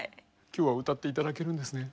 今日は歌って頂けるんですね。